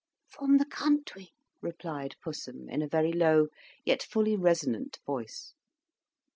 "From the country," replied Pussum, in a very low, yet fully resonant voice.